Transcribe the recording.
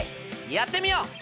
やってみよう！